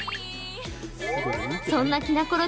そんなきなころ